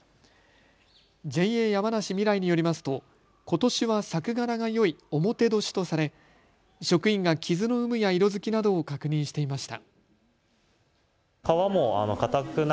ＪＡ山梨みらいによりますとことしは作柄がよい、表年とされ職員が傷の有無や色づきなどを確認していました。